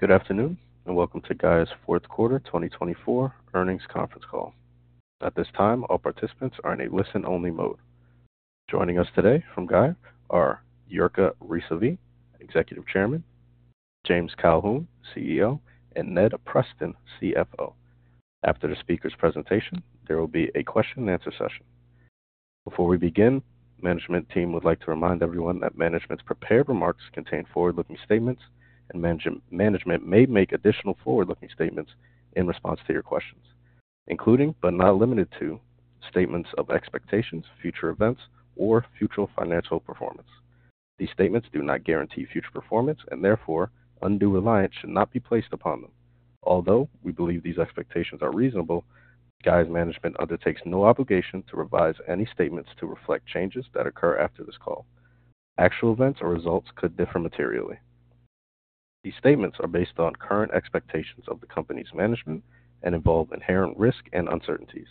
Good afternoon and welcome to Gaia's Fourth Quarter 2024 Earnings Conference Call. At this time, all participants are in a listen-only mode. Joining us today from Gaia are Jirka Rysavy, Executive Chairman, James Colquhoun, CEO, and Ned Preston, CFO. After the speakers' presentations, there will be a question-and-answer session. Before we begin, the management team would like to remind everyone that management's prepared remarks contain forward-looking statements, and management may make additional forward-looking statements in response to your questions, including but not limited to statements of expectations, future events, or future financial performance. These statements do not guarantee future performance, and therefore, undue reliance should not be placed upon them. Although we believe these expectations are reasonable, Gaia's management undertakes no obligation to revise any statements to reflect changes that occur after this call. Actual events or results could differ materially. These statements are based on current expectations of the company's management and involve inherent risk and uncertainties,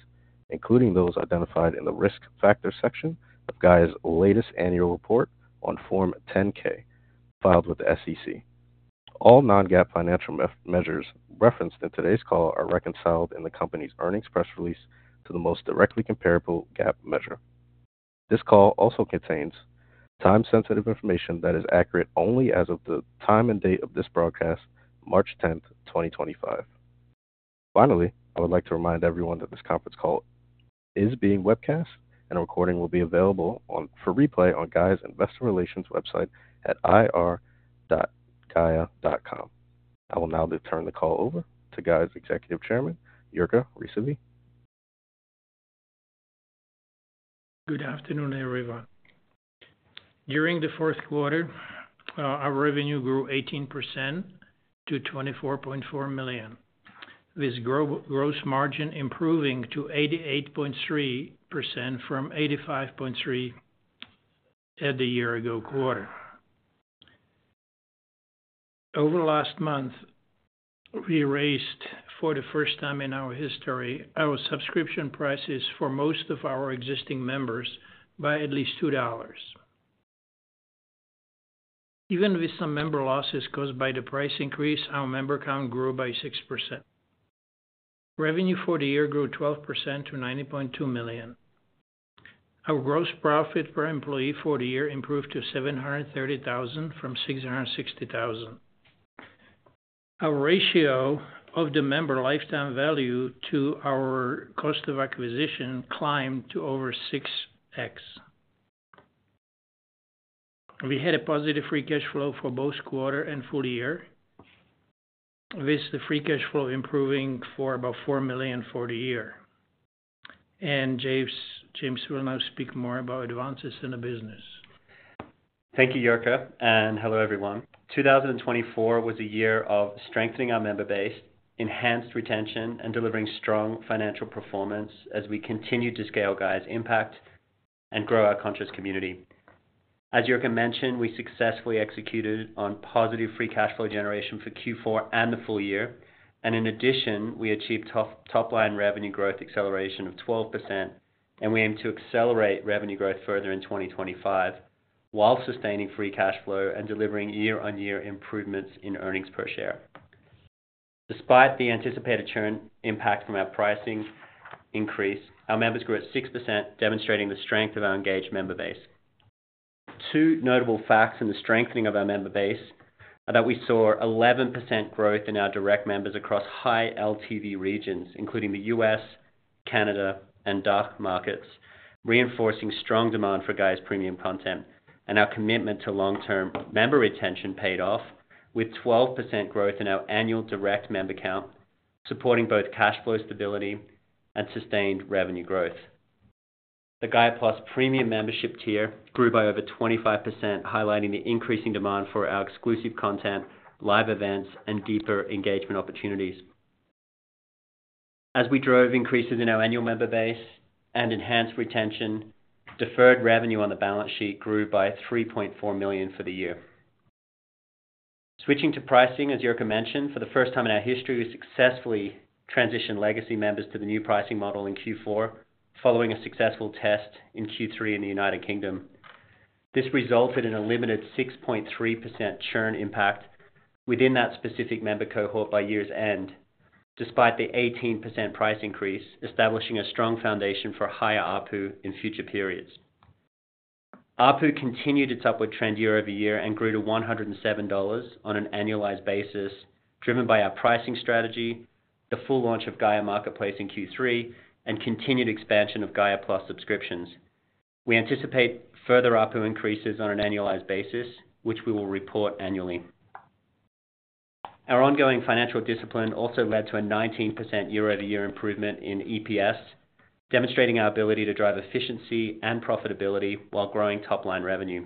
including those identified in the risk factor section of Gaia's latest annual report on Form 10-K filed with the SEC. All non-GAAP financial measures referenced in today's call are reconciled in the company's earnings press release to the most directly comparable GAAP measure. This call also contains time-sensitive information that is accurate only as of the time and date of this broadcast, March 10, 2025. Finally, I would like to remind everyone that this conference call is being webcast, and a recording will be available for replay on Gaia's investor relations website at ir.gaia.com. I will now turn the call over to Gaia's Executive Chairman, Jirka Rysavy. Good afternoon, everyone. During the fourth quarter, our revenue grew 18% to $24.4 million, with gross margin improving to 88.3% from 85.3% at the year-ago quarter. Over the last month, we raised, for the first time in our history, our subscription prices for most of our existing members by at least $2. Even with some member losses caused by the price increase, our member count grew by 6%. Revenue for the year grew 12% to $90.2 million. Our gross profit per employee for the year improved to $730,000 from $660,000. Our ratio of the member lifetime value to our cost of acquisition climbed to over 6x. We had a positive free cash flow for both quarter and full year, with the free cash flow improving for about $4 million for the year. James will now speak more about advances in the business. Thank you, Jirka. Hello, everyone. 2024 was a year of strengthening our member base, enhanced retention, and delivering strong financial performance as we continued to scale Gaia's impact and grow our conscious community. As Jirka mentioned, we successfully executed on positive free cash flow generation for Q4 and the full year. In addition, we achieved top-line revenue growth acceleration of 12%, and we aim to accelerate revenue growth further in 2025 while sustaining free cash flow and delivering year-on-year improvements in earnings per share. Despite the anticipated churn impact from our pricing increase, our members grew at 6%, demonstrating the strength of our engaged member base. Two notable facts in the strengthening of our member base are that we saw 11% growth in our direct members across high LTV regions, including the U.S., Canada, and DACH markets, reinforcing strong demand for Gaia's premium content. Our commitment to long-term member retention paid off with 12% growth in our annual direct member count, supporting both cash flow stability and sustained revenue growth. The Gaia+ Premium Membership Tier grew by over 25%, highlighting the increasing demand for our exclusive content, live events, and deeper engagement opportunities. As we drove increases in our annual member base and enhanced retention, deferred revenue on the balance sheet grew by $3.4 million for the year. Switching to pricing, as Jirka mentioned, for the first time in our history, we successfully transitioned legacy members to the new pricing model in Q4, following a successful test in Q3 in the United Kingdom. This resulted in a limited 6.3% churn impact within that specific member cohort by year's end, despite the 18% price increase, establishing a strong foundation for higher ARPU in future periods. ARPU continued its upward trend year-over-year and grew to $107 on an annualized basis, driven by our pricing strategy, the full launch of Gaia Marketplace in Q3, and continued expansion of Gaia+ subscriptions. We anticipate further ARPU increases on an annualized basis, which we will report annually. Our ongoing financial discipline also led to a 19% year-over-year improvement in EPS, demonstrating our ability to drive efficiency and profitability while growing top-line revenue.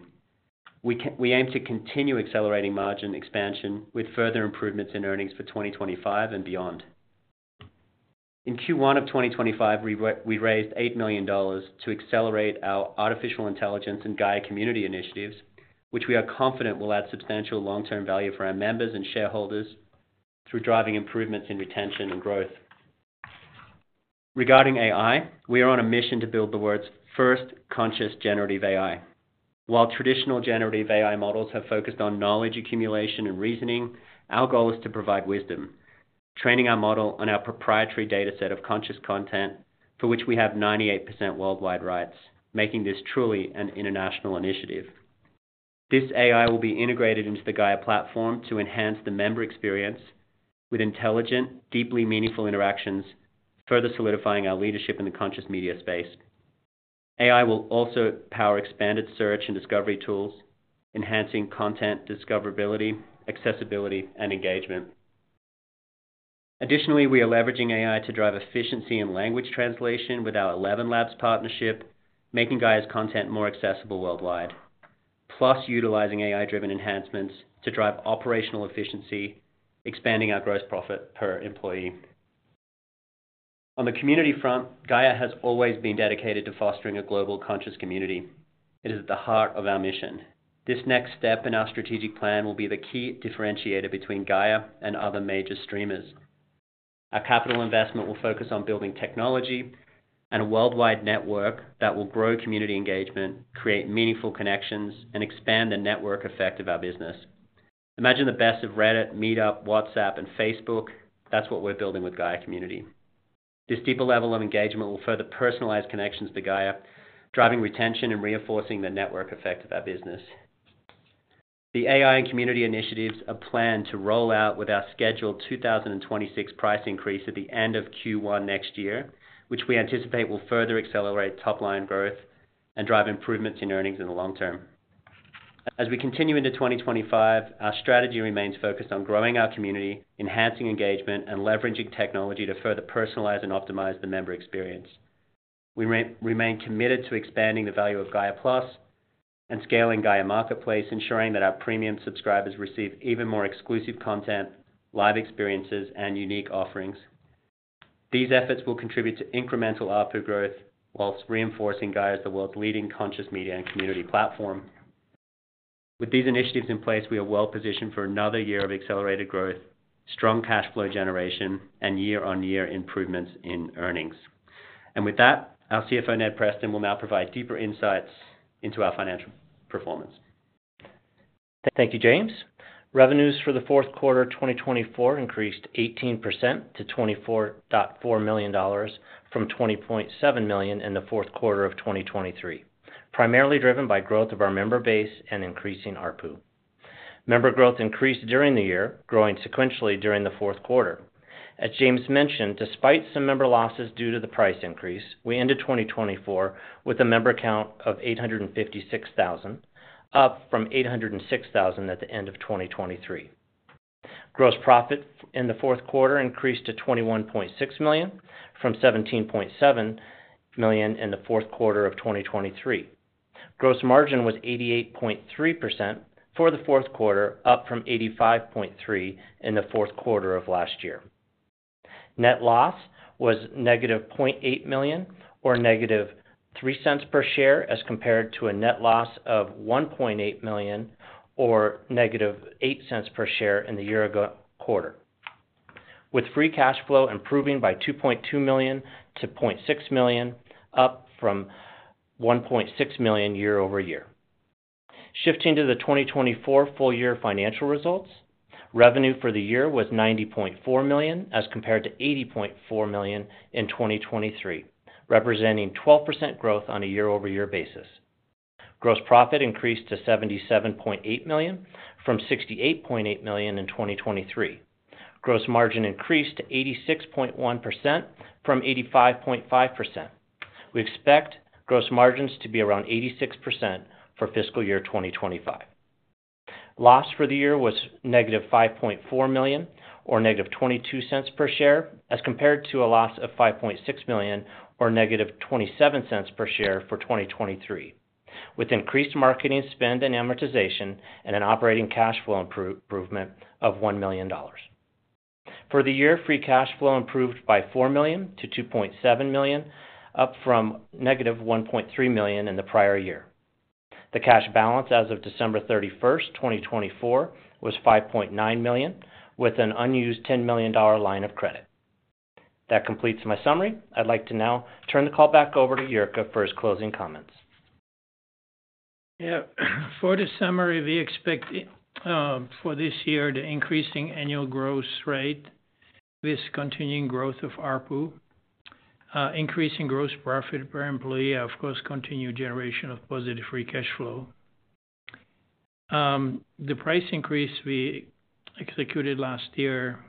We aim to continue accelerating margin expansion with further improvements in earnings for 2025 and beyond. In Q1 of 2025, we raised $8 million to accelerate our artificial intelligence and Gaia Community initiatives, which we are confident will add substantial long-term value for our members and shareholders through driving improvements in retention and growth. Regarding AI, we are on a mission to build the world's first conscious generative AI. While traditional generative AI models have focused on knowledge accumulation and reasoning, our goal is to provide wisdom, training our model on our proprietary dataset of conscious content, for which we have 98% worldwide rights, making this truly an international initiative. This AI will be integrated into the Gaia platform to enhance the member experience with intelligent, deeply meaningful interactions, further solidifying our leadership in the conscious media space. AI will also power expanded search and discovery tools, enhancing content discoverability, accessibility, and engagement. Additionally, we are leveraging AI to drive efficiency in language translation with our ElevenLabs partnership, making Gaia's content more accessible worldwide, plus utilizing AI-driven enhancements to drive operational efficiency, expanding our gross profit per employee. On the community front, Gaia has always been dedicated to fostering a global conscious community. It is at the heart of our mission. This next step in our strategic plan will be the key differentiator between Gaia and other major streamers. Our capital investment will focus on building technology and a worldwide network that will grow community engagement, create meaningful connections, and expand the network effect of our business. Imagine the best of Reddit, Meetup, WhatsApp, and Facebook. That's what we're building with Gaia Community. This deeper level of engagement will further personalize connections to Gaia, driving retention and reinforcing the network effect of our business. The AI and community initiatives are planned to roll out with our scheduled 2026 price increase at the end of Q1 next year, which we anticipate will further accelerate top-line growth and drive improvements in earnings in the long term. As we continue into 2025, our strategy remains focused on growing our community, enhancing engagement, and leveraging technology to further personalize and optimize the member experience. We remain committed to expanding the value of Gaia+ and scaling Gaia Marketplace, ensuring that our premium subscribers receive even more exclusive content, live experiences, and unique offerings. These efforts will contribute to incremental ARPU growth while reinforcing Gaia as the world's leading conscious media and community platform. With these initiatives in place, we are well positioned for another year of accelerated growth, strong cash flow generation, and year-on-year improvements in earnings. Our CFO, Ned Preston, will now provide deeper insights into our financial performance. Thank you, James. Revenues for the fourth quarter 2024 increased 18% to $24.4 million from $20.7 million in the fourth quarter of 2023, primarily driven by growth of our member base and increasing ARPU. Member growth increased during the year, growing sequentially during the fourth quarter. As James mentioned, despite some member losses due to the price increase, we ended 2024 with a member count of 856,000, up from 806,000 at the end of 2023. Gross profit in the fourth quarter increased to $21.6 million from $17.7 million in the fourth quarter of 2023. Gross margin was 88.3% for the fourth quarter, up from 85.3% in the fourth quarter of last year. Net loss was negative $0.8 million or negative $0.03 per share as compared to a net loss of $1.8 million or negative $0.08 per share in the year-ago quarter, with free cash flow improving by $2.2 million to $0.6 million, up from negative $1.6 million year-over-year. Shifting to the 2024 full-year financial results, revenue for the year was $90.4 million as compared to $80.4 million in 2023, representing 12% growth on a year-over-year basis. Gross profit increased to $77.8 million from $68.8 million in 2023. Gross margin increased to 86.1% from 85.5%. We expect gross margins to be around 86% for fiscal year 2025. Loss for the year was negative $5.4 million or negative $0.22 per share as compared to a loss of $5.6 million or negative $0.27 per share for 2023, with increased marketing spend and amortization and an operating cash flow improvement of $1 million. For the year, free cash flow improved by $4 million to $2.7 million, up from negative $1.3 million in the prior year. The cash balance as of December 31, 2024, was $5.9 million, with an unused $10 million line of credit. That completes my summary. I'd like to now turn the call back over to Jirka for his closing comments. Yeah. For the summary, we expect for this year to increase in annual growth rate with continuing growth of ARPU, increasing gross profit per employee, of course, continued generation of positive free cash flow. The price increase we executed last year,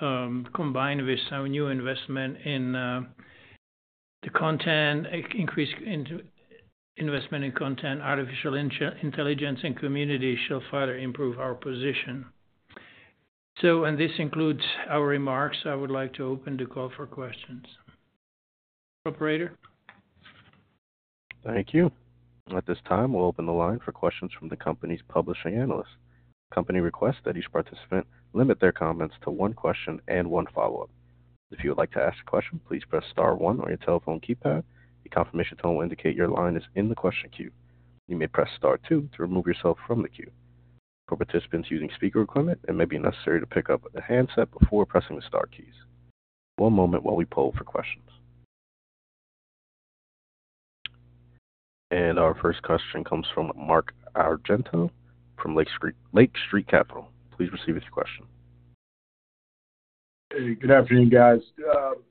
combined with some new investment in the content, increase in investment in content, artificial intelligence, and community shall further improve our position. This includes our remarks. I would like to open the call for questions. Operator. Thank you. At this time, we'll open the line for questions from the company's publishing analyst. The company requests that each participant limit their comments to one question and one follow-up. If you would like to ask a question, please press star one on your telephone keypad. The confirmation tone will indicate your line is in the question queue. You may press star two to remove yourself from the queue. For participants using speaker equipment, it may be necessary to pick up a handset before pressing the star keys. One moment while we poll for questions. Our first question comes from Mark Argento from Lake Street Capital. Please proceed with your question. Hey, good afternoon, guys.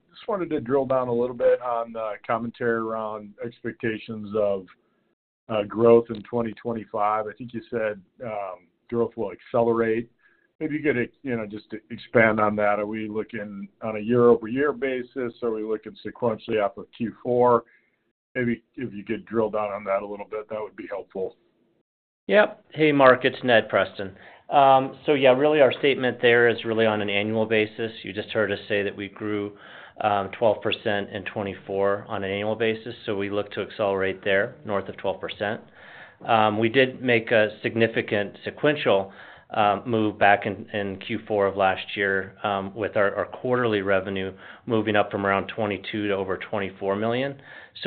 Just wanted to drill down a little bit on the commentary around expectations of growth in 2025. I think you said growth will accelerate. Maybe you could just expand on that. Are we looking on a year-over-year basis? Are we looking sequentially off of Q4? Maybe if you could drill down on that a little bit, that would be helpful. Yep. Hey, Mark. It's Ned Preston. Really, our statement there is really on an annual basis. You just heard us say that we grew 12% in 2024 on an annual basis. We look to accelerate there north of 12%. We did make a significant sequential move back in Q4 of last year with our quarterly revenue moving up from around $22 million to over $24 million.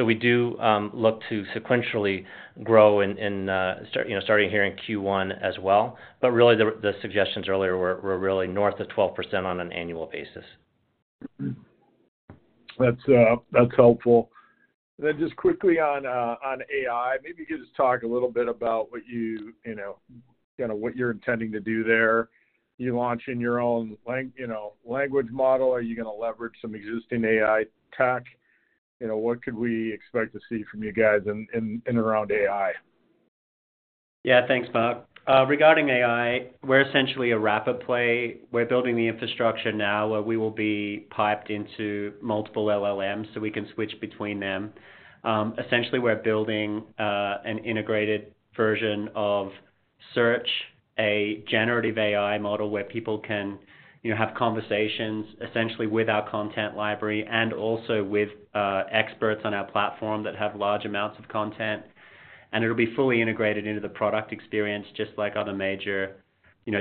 We do look to sequentially grow starting here in Q1 as well. Really, the suggestions earlier were really north of 12% on an annual basis. That's helpful. Just quickly on AI, maybe you could just talk a little bit about what you kind of what you're intending to do there. You're launching your own language model. Are you going to leverage some existing AI tech? What could we expect to see from you guys in and around AI? Yeah, thanks, Bob. Regarding AI, we're essentially a rapid play. We're building the infrastructure now where we will be piped into multiple LLMs so we can switch between them. Essentially, we're building an integrated version of Search, a generative AI model where people can have conversations essentially with our content library and also with experts on our platform that have large amounts of content. It will be fully integrated into the product experience, just like other major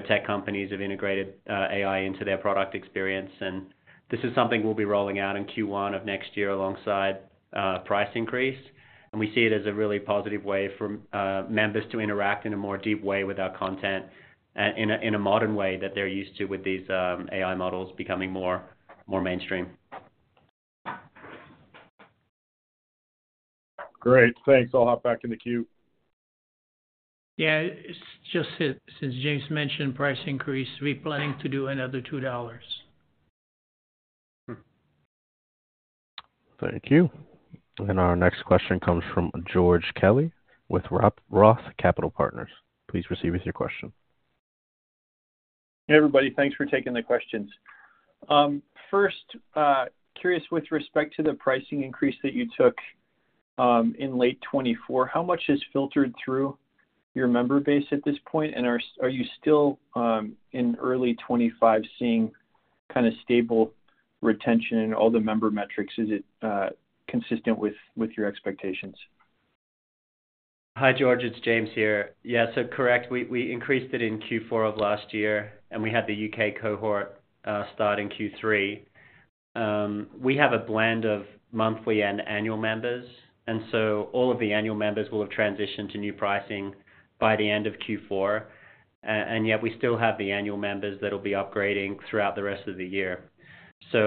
tech companies have integrated AI into their product experience. This is something we'll be rolling out in Q1 of next year alongside a price increase. We see it as a really positive way for members to interact in a more deep way with our content in a modern way that they're used to with these AI models becoming more mainstream. Great. Thanks. I'll hop back in the queue. Yeah. Just since James mentioned price increase, we're planning to do another $2. Thank you. Our next question comes from George Kelly with ROTH Capital Partners. Please proceed with your question. Hey, everybody. Thanks for taking the questions. First, curious with respect to the pricing increase that you took in late 2024, how much has filtered through your member base at this point? Are you still in early 2025 seeing kind of stable retention in all the member metrics? Is it consistent with your expectations? Hi, George. It's James here. Yeah, so correct. We increased it in Q4 of last year, and we had the U.K. cohort start in Q3. We have a blend of monthly and annual members. All of the annual members will have transitioned to new pricing by the end of Q4. Yet we still have the annual members that will be upgrading throughout the rest of the year. We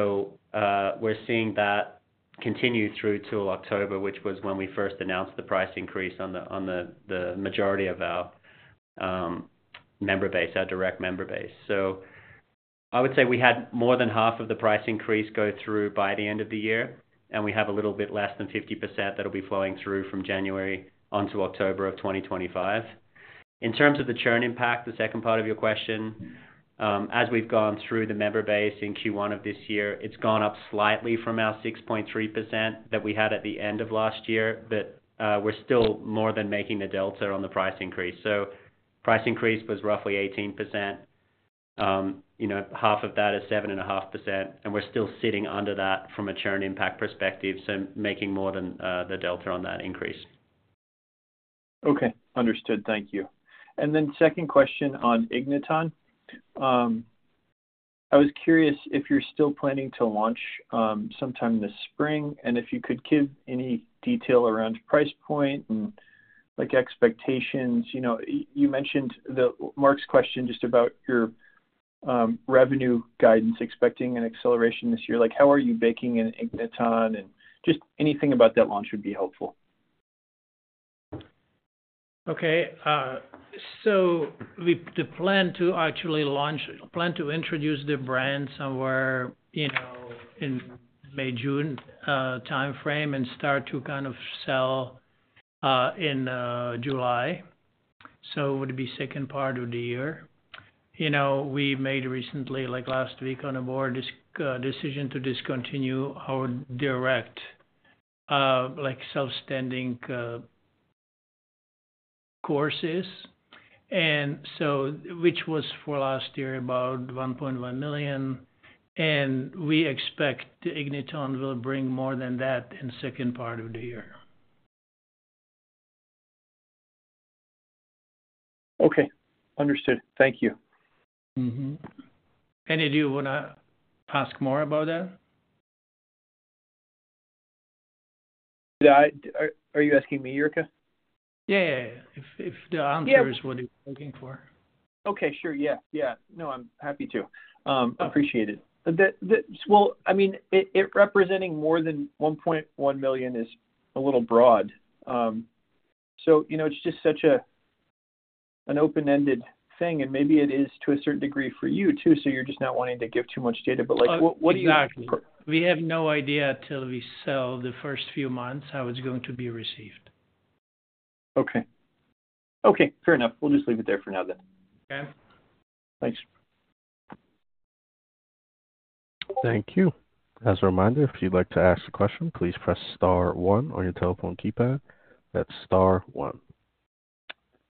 are seeing that continue through to October, which was when we first announced the price increase on the majority of our member base, our direct member base. I would say we had more than half of the price increase go through by the end of the year, and we have a little bit less than 50% that will be flowing through from January onto October of 2025. In terms of the churn impact, the second part of your question, as we've gone through the member base in Q1 of this year, it's gone up slightly from our 6.3% that we had at the end of last year, but we're still more than making the delta on the price increase. The price increase was roughly 18%. Half of that is 7.5%, and we're still sitting under that from a churn impact perspective, making more than the delta on that increase. Okay. Understood. Thank you. Second question on Igniton. I was curious if you're still planning to launch sometime this spring and if you could give any detail around price point and expectations. You mentioned Mark's question just about your revenue guidance, expecting an acceleration this year. How are you baking in Igniton? Anything about that launch would be helpful. Okay. We plan to actually launch, plan to introduce the brand somewhere in the May-June timeframe and start to kind of sell in July. It would be the second part of the year. We made recently, like last week on a board, decision to discontinue our direct self-standing courses, which was for last year about $1.1 million. We expect Igniton will bring more than that in the second part of the year. Okay. Understood. Thank you. Any of you want to ask more about that? Are you asking me, Jirka? Yeah, if the answer is what you're looking for. Okay. Sure. Yeah. Yeah. No, I'm happy to. Appreciate it. I mean, it representing more than 1.1 million is a little broad. It is just such an open-ended thing. Maybe it is to a certain degree for you too, so you're just not wanting to give too much data. What do you? Exactly. We have no idea until we sell the first few months how it's going to be received. Okay. Okay. Fair enough. We'll just leave it there for now then. Okay. Thanks. Thank you. As a reminder, if you'd like to ask a question, please press star one on your telephone keypad. That's star one.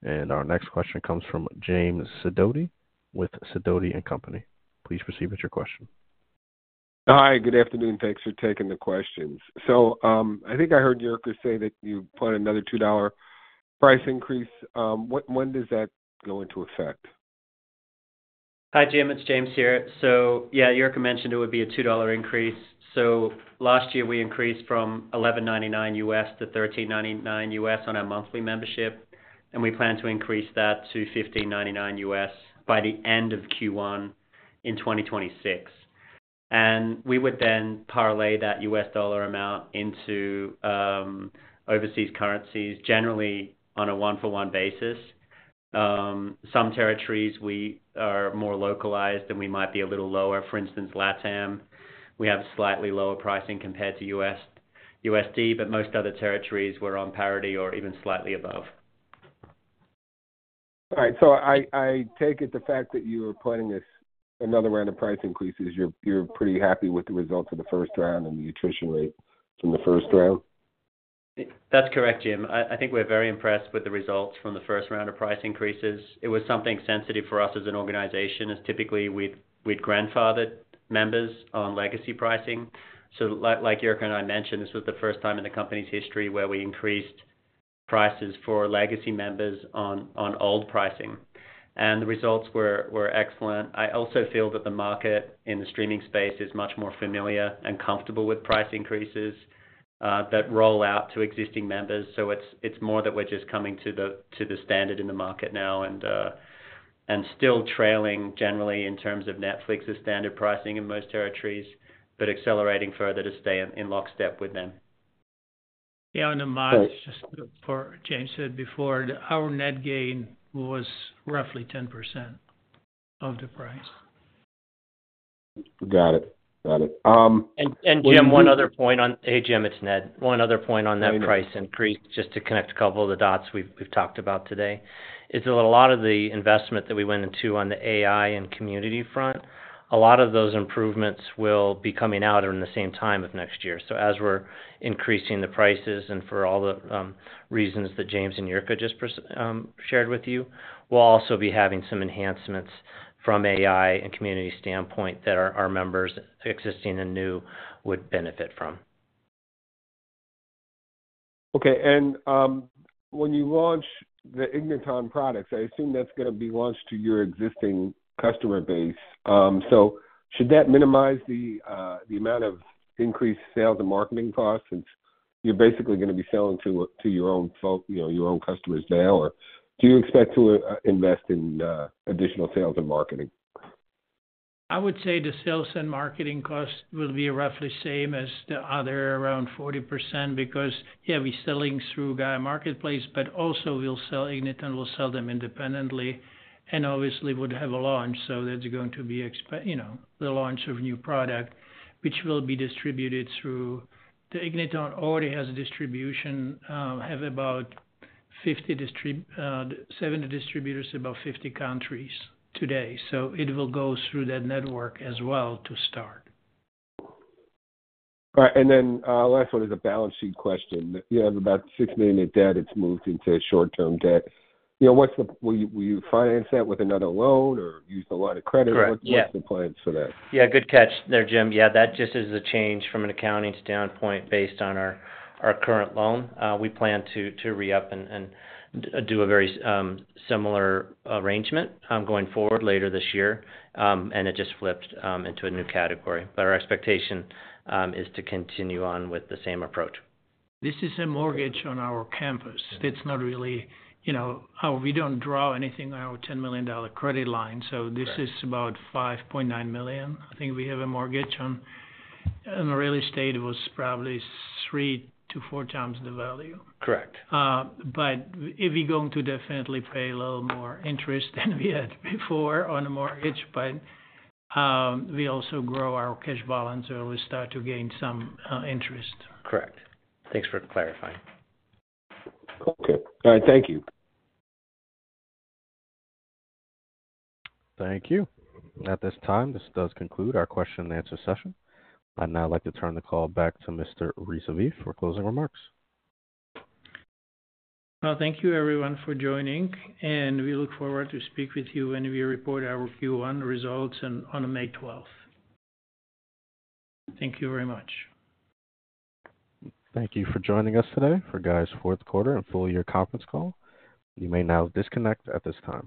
Our next question comes from James Sidoti with Sidoti & Company. Please proceed with your question. Hi. Good afternoon. Thanks for taking the questions. I think I heard Jirka say that you plan another $2 price increase. When does that go into effect? Hi, Jim. It's James here. Jirka mentioned it would be a $2 increase. Last year, we increased from $11.99 to $13.99 on our monthly membership. We plan to increase that to $15.99 by the end of Q1 in 2026. We would then parlay that US dollar amount into overseas currencies, generally on a one-for-one basis. Some territories are more localized and we might be a little lower. For instance, LATAM, we have slightly lower pricing compared to USD, but most other territories were on parity or even slightly above. All right. I take it the fact that you were planning another round of price increases, you're pretty happy with the results of the first round and the attrition rate from the first round? That's correct, Jim. I think we're very impressed with the results from the first round of price increases. It was something sensitive for us as an organization, as typically we'd grandfathered members on legacy pricing. Like Jirka and I mentioned, this was the first time in the company's history where we increased prices for legacy members on old pricing. The results were excellent. I also feel that the market in the streaming space is much more familiar and comfortable with price increases that roll out to existing members. It's more that we're just coming to the standard in the market now and still trailing generally in terms of Netflix's standard pricing in most territories, but accelerating further to stay in lockstep with them. Yeah. On the market, just for James said before, our net gain was roughly 10% of the price. Got it. Got it. Jim, it's Ned. One other point on that price increase, just to connect a couple of the dots we've talked about today, is that a lot of the investment that we went into on the AI and community front, a lot of those improvements will be coming out in the same time of next year. As we're increasing the prices and for all the reasons that James and Jirka just shared with you, we'll also be having some enhancements from AI and community standpoint that our members existing and new would benefit from. Okay. When you launch the Igniton products, I assume that's going to be launched to your existing customer base. Should that minimize the amount of increased sales and marketing costs since you're basically going to be selling to your own customers now? Or do you expect to invest in additional sales and marketing? I would say the sales and marketing costs will be roughly the same as the other, around 40%, because, yeah, we're selling through Gaia Marketplace, but also we'll sell Igniton, we'll sell them independently, and obviously would have a launch. That is going to be the launch of a new product, which will be distributed through the Igniton already has distribution, have about 70 distributors in about 50 countries today. It will go through that network as well to start. All right. Last one is a balance sheet question. You have about $6 million in debt. It has moved into short-term debt. Will you finance that with another loan or use a line of credit? What is the plan for that? Yeah. Good catch there, Jim. Yeah. That just is a change from an accounting standpoint based on our current loan. We plan to re-up and do a very similar arrangement going forward later this year. It just flipped into a new category. Our expectation is to continue on with the same approach. This is a mortgage on our campus. That's not really, we don't draw anything on our $10 million credit line. This is about $5.9 million. I think we have a mortgage on real estate that's probably three to four times the value. Correct. If we're going to definitely pay a little more interest than we had before on a mortgage, we also grow our cash balance, so we start to gain some interest. Correct. Thanks for clarifying. Okay. All right. Thank you. Thank you. At this time, this does conclude our question-and-answer session. I'd now like to turn the call back to Mr. Rysavy for closing remarks. Thank you, everyone, for joining. We look forward to speaking with you when we report our Q1 results on May 12. Thank you very much. Thank you for joining us today for Gaia's fourth quarter and full-year conference call. You may now disconnect at this time.